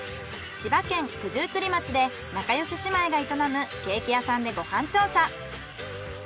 千葉県九十九里町で仲よし姉妹が営むケーキ屋さんでご飯調査。